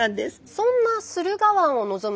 そんな駿河湾を望む